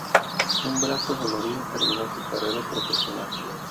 Un brazo dolorido terminó su carrera profesional.